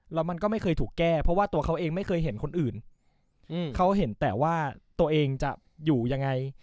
แล้วมันก็ไม่เคยถูกแก้เพราะว่าตัวเขาเองไม่เคยเห็นคนอื่นเขาเห็นแต่ว่าตัวเองจะอยู่ยังไง